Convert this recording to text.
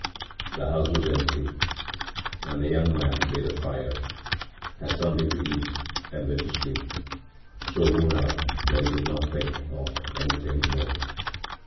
The house was empty and the young man made a fire, had something to eat and went to sleep, so worn out that he did not think of anything more.